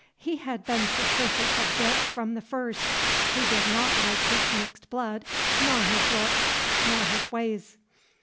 He had been suspicious of Dick from the first. He did not like his mixed blood, nor his looks, nor his ways.